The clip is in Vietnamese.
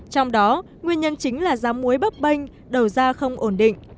trong đó nguyên nhân chính là giám muối bấp bênh đầu da không ổn định